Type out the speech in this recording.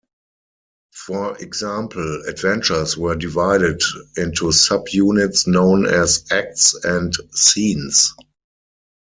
For example, adventures were divided into sub units known as "acts" and "scenes".